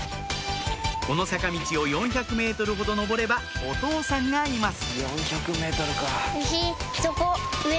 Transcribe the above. この坂道を４００ｍほど上ればお父さんがいます